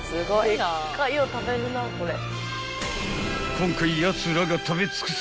［今回やつらが食べ尽くす］